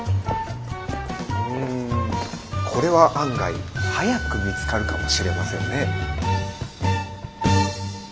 うんこれは案外早く見つかるかもしれませんね。